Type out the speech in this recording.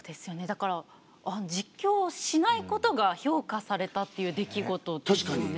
だから実況しないことが評価されたっていう出来事ですよね。